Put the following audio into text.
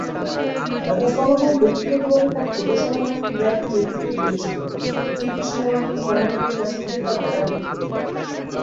রাজা সলোমন ব্যক্তিগতভাবে তাঁর ছোট সেনাবাহিনীর দায়িত্বে নেতৃত্ব দিয়েছিলেন, তুর্কি সেনাবাহিনীর কমান্ডারের কাছে গিয়ে তাঁর মাথা কেটে দিলেন।